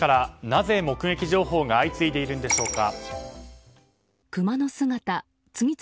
なぜ目撃情報が相次いでいるんでしょうか。